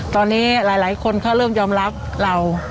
ตอนนี้หลายคนเขาเริ่มยอมรับเรา